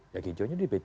ya hijaunya di p tiga